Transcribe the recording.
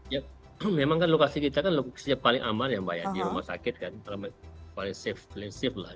ya memang kan lokasi kita kan lokasi paling aman ya mbak yadi rumah sakit kan paling safe lah